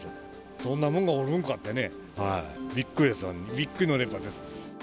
そんなもんがおるんかってね、びっくりですよ、びっくりの連発です。